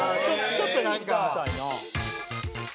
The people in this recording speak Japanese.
ちょっとなんか。